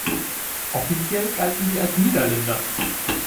Offiziell galten sie als Niederländer.